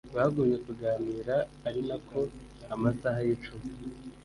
bagumye kuganira arinako amasaha yicuma